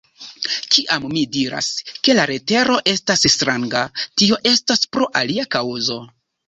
Kiam mi diras, ke la letero estas stranga, tio estas pro alia kaŭzo.